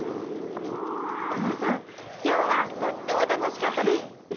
皆さん今日はとっても楽しかったです。